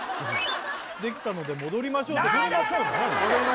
「できたので戻りましょう」って何で？